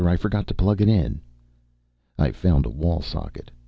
I forgot to plug it in." I found a wall socket.